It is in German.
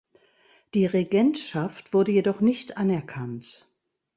Die Regentschaft wurde jedoch nicht anerkannt.